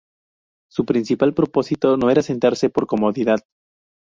Su principal propósito no era sentarse por comodidad.